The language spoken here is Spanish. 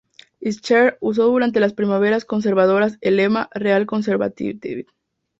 Scheer usó durante las primarias conservadoras el lema: ""Real conservative.